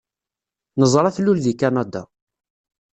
Neẓra tlul deg Kanada.